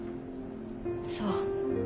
そう。